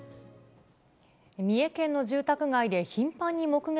三重県の住宅街で頻繁に目撃